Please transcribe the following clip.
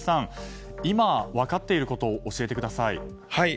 今、分かっていることを教えてください。